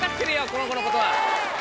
この子のことは！